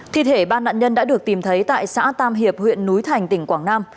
thi thể ba nạn nhân đã được tìm thấy tại xã tam hiệp huyện núi thành tỉnh quảng nam